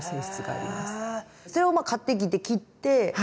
それを買ってきて切ってで？